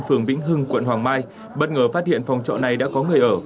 phường vĩnh hưng quận hoàng mai bất ngờ phát hiện phòng trọ này đã có người ở